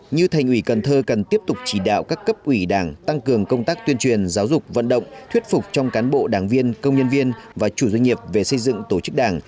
như thành ủy cần thơ cần tiếp tục chỉ đạo các cấp ủy đảng tăng cường công tác tuyên truyền giáo dục vận động thuyết phục trong cán bộ đảng viên công nhân viên và chủ doanh nghiệp về xây dựng tổ chức đảng